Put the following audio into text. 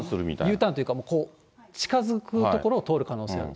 Ｕターンというか、近づくところを通る可能性がある。